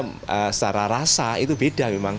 secara rasa itu beda